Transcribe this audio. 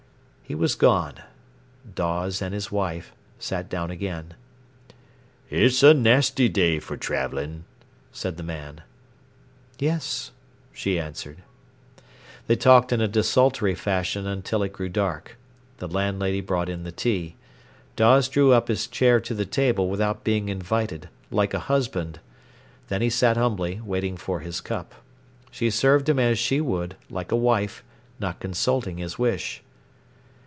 He was gone. Dawes and his wife sat down again. "It's a nasty day for travelling," said the man. "Yes," she answered. They talked in a desultory fashion until it grew dark. The landlady brought in the tea. Dawes drew up his chair to the table without being invited, like a husband. Then he sat humbly waiting for his cup. She served him as she would, like a wife, not consulting his wish.